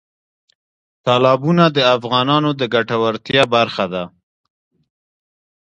تالابونه د افغانانو د ګټورتیا برخه ده.